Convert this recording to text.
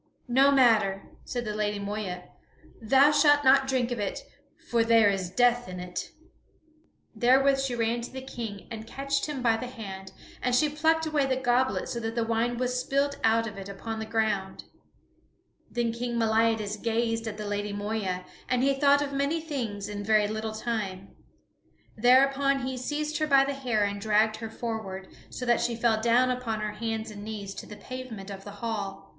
"No matter," said the Lady Moeya, "thou shalt not drink of it, for there is death in it." Therewith she ran to the King and catched him by the hand, and she plucked away the goblet so that the wine was spilled out of it upon the ground. [Sidenote: King Meliadus threatens to slay the Queen] Then King Meliadus gazed at the Lady Moeya, and he thought of many things in very little time. Thereupon he seized her by the hair and dragged her forward, so that she fell down upon her hands and knees to the pavement of the hall.